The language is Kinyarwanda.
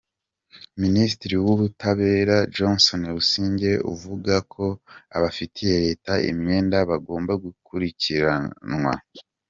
Minisitiri w’Ubutabera, Johnston Busingye, uvuga ko abafitiye Leta imyenda bagomba gukurikiranwa.